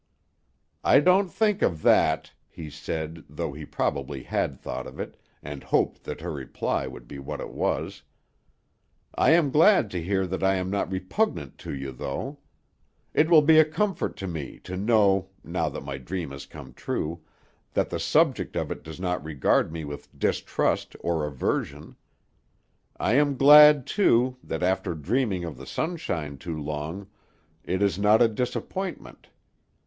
"I didn't think of that," he said, though he probably had thought of it, and hoped that her reply would be what it was. "I am glad to hear that I am not repugnant to you, though. It will be a comfort to me to know, now that my dream has come true, that the subject of it does not regard me with distrust or aversion. I am glad, too, that after dreaming of the sunshine so long, it is not a disappointment.